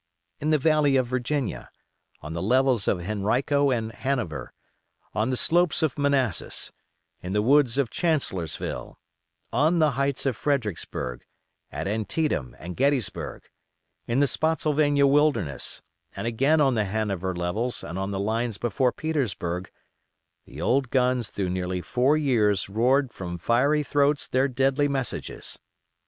In the Valley of Virginia; on the levels of Henrico and Hanover; on the slopes of Manassas; in the woods of Chancellorsville; on the heights of Fredericksburg; at Antietam and Gettysburg; in the Spottsylvania wilderness, and again on the Hanover levels and on the lines before Petersburg, the old guns through nearly four years roared from fiery throats their deadly messages.